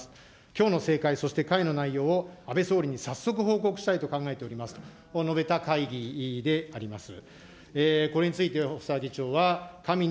きょうのせいかい、そして会の内容を安倍総理に早速報告したいと考えておりますと述べた会議であります。